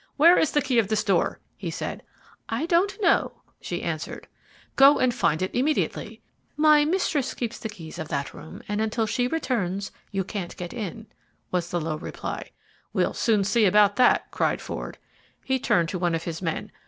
"Where is the key of this door?" he said. "I don't know," she answered. "Go and find it immediately." "My mistress keeps the key of that room, and until she returns you can't get in," was the low reply. "We'll soon see about that," cried Ford. He turned to one of his men.